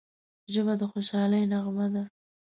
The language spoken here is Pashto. ژبه د خوشحالۍ نغمه ده